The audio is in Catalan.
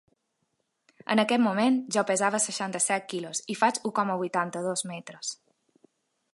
En aquest moment, jo pesava seixanta-set quilos, i faig u coma vuitanta-dos metres.